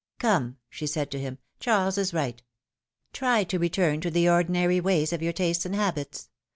^^Come!" she said to him, Charles is right. Try to return to the ordinary ways of your tastes and habits.